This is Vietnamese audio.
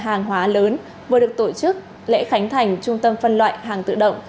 hàng hóa lớn vừa được tổ chức lễ khánh thành trung tâm phân loại hàng tự động